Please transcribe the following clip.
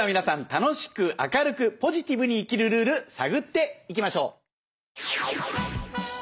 楽しく明るくポジティブに生きるルール探っていきましょう！